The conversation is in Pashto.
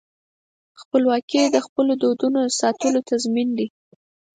خپلواکي د خپلو دودونو د ساتلو تضمین دی.